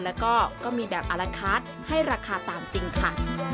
แล้วก็ก็มีแบบอารคาร์ดให้ราคาตามจริงค่ะ